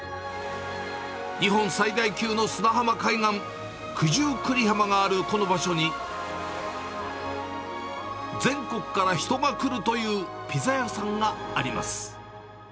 日本最大級の砂浜海岸、九十九里浜があるこの場所に、全国から人が来るというピザ屋さんがあります。